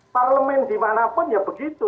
parlemen dimanapun ya begitu